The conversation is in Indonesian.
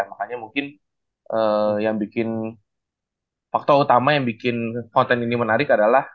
makanya mungkin yang bikin faktor utama yang bikin konten ini menarik adalah